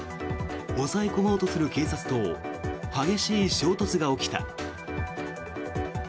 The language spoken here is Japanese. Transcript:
抑え込もうとする警察と激しい衝突が起きた。